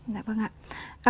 dạ vâng ạ